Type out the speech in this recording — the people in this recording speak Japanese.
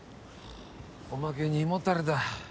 おまけに胃もたれだ。